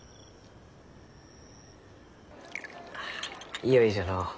いよいよじゃのう。